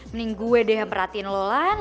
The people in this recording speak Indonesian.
mending gue deh yang perhatiin lo lan